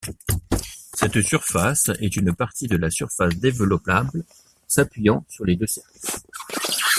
Cette surface est une partie de la surface développable s'appuyant sur les deux cercles.